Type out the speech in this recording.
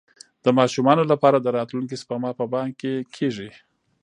د ماشومانو لپاره د راتلونکي سپما په بانک کې کیږي.